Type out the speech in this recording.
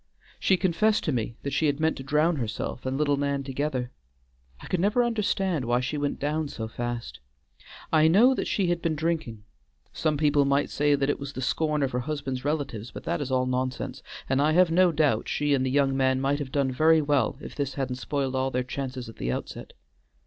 She confessed to me that she had meant to drown herself and little Nan together. I could never understand why she went down so fast. I know that she had been drinking. Some people might say that it was the scorn of her husband's relatives, but that is all nonsense, and I have no doubt she and the young man might have done very well if this hadn't spoiled all their chances at the outset.